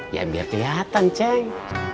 ya biar keliatan ceng